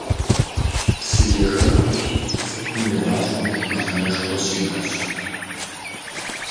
Псыежэхым цӀыхум и гъащӀэм мыхьэнэшхуэ щиӀэщ.